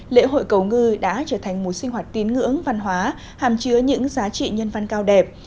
lễ hội cầu ngư đã trở thành một sinh hoạt tín ngưỡng văn hóa hàm chứa những giá trị nhân văn cao đẹp